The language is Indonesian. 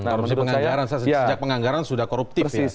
korupsi penganggaran sejak penganggaran sudah koruptif ya